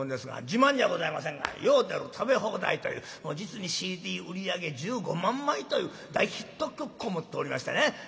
自慢じゃございませんが「ヨーデル食べ放題」という実にＣＤ売り上げ１５万枚という大ヒット曲を持っておりましてね。